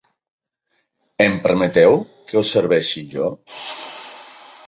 Em permeteu que us serveixi jo?